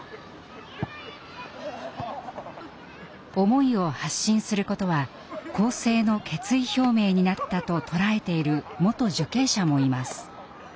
思いを発信することは更生の決意表明になったと捉えている元受刑者もいます。